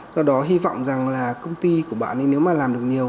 do đó hy vọng rằng là công ty của bạn ấy nếu mà làm được nhiều